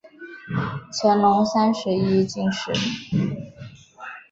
乾隆三十一年进士。